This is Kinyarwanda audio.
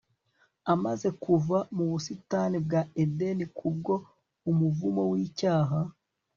amaze kuva mu busitani bwa edeni kubwo umuvumo w'icyaha